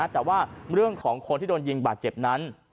แต่ว่าเรื่องของคนที่โดนยิงบาดเจ็บนั้น